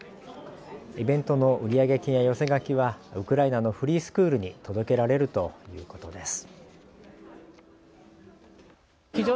イベントの売上金や寄せ書きはウクライナのフリースクールに届けられるということです。